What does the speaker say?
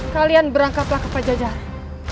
kalian berangkatlah ke pejajaran